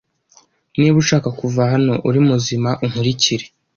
Niba ushaka kuva hano uri muzima, unkurikire.